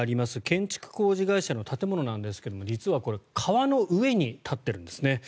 建築工事会社の建物ですが実はこれ、川の上に建っているんですね。